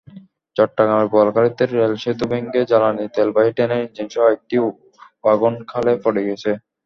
চট্টগ্রামের বোয়ালখালীতে রেলসেতু ভেঙে জ্বালানি তেলবাহী ট্রেনের ইঞ্জিনসহ একটি ওয়াগন খালে পড়ে গেছে।